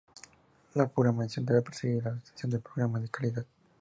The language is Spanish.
La programación debe perseguir la obtención de programas de calidad.